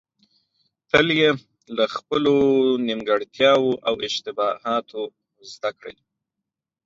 تل يې له خپلو نيمګړتياوو او اشتباهاتو زده کړئ.